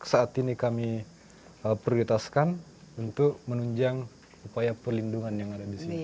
saat ini kami prioritaskan untuk menunjang upaya perlindungan yang ada di sini